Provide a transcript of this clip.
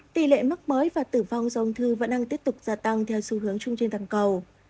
tỷ lệ mắc mới và tử vong do ung thư vẫn đang tiếp tục gia tăng theo xu hướng chung trên toàn cầu